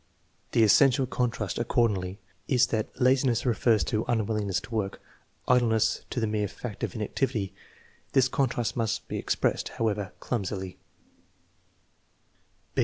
The essential contrast, accordingly, is that laziness refers to un willingness to work; idleness to the mere fad of inactivity. This con trast must be expressed, however clumsily.